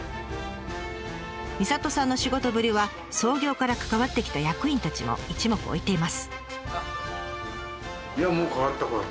みさとさんの仕事ぶりは創業から関わってきた役員たちも一目置いています。